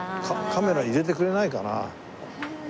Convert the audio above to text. カメラ入れてくれないかな？